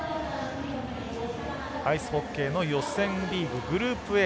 アイスホッケー予選リーググループＡ